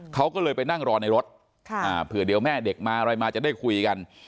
เขาก็เลยไปนั่งรอในรถเผื่อเดี๋ยวแม่เด็กมาอะไรมาจะได้คุยกัน